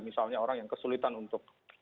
misalnya orang yang kesulitan untuk